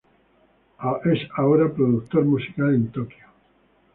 Él es ahora un productor musical en Tokio.